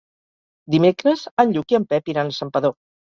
Dimecres en Lluc i en Pep iran a Santpedor.